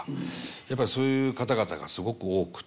やっぱりそういう方々がすごく多くて。